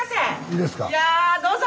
いやどうぞ！